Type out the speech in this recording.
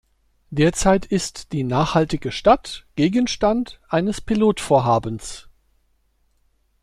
Derzeit ist die nachhaltige Stadt Gegenstand eines Pilotvorhabens.